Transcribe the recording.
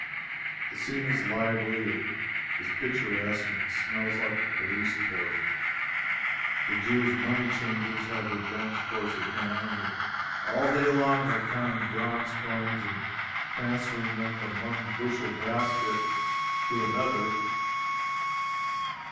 The scene is lively, is picturesque, and smells like a police court. The Jewish money changers have their dens close at hand, and all day long are counting bronze coins and transferring them from one bushel basket to another.